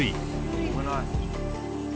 危ない。